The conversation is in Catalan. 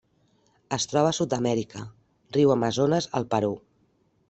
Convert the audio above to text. Es troba a Sud-amèrica: riu Amazones al Perú.